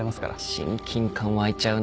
親近感湧いちゃうな。